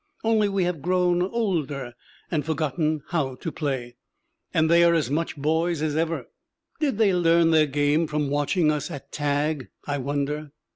Only we have grown older, and forgotten how to play; and they are as much boys as ever. Did they learn their game from watching us at tag, I wonder?